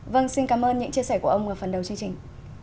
vâng xin cảm ơn những chia sẻ của ông ở phần đầu chương trình